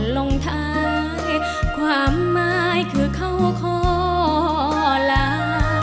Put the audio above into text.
ลงท้ายความหมายคือเข้าข้อลา